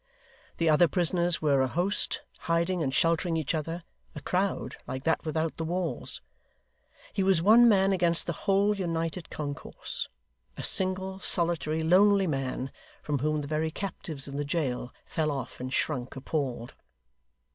The other prisoners were a host, hiding and sheltering each other a crowd like that without the walls. He was one man against the whole united concourse; a single, solitary, lonely man, from whom the very captives in the jail fell off and shrunk appalled.